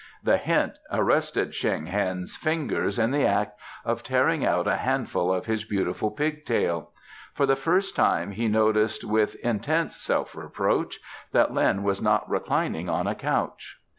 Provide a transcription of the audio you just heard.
The hint arrested Shen Heng's fingers in the act of tearing out a handful of his beautiful pigtail. For the first time he noticed, with intense self reproach, that Lin was not reclining on a couch.